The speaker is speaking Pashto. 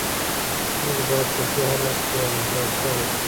موږ باید په دې حالت کې یوه مقایسه وکړو